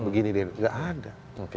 begini gak ada